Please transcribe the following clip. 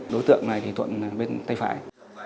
đối tượng này thì thuận bên tay phải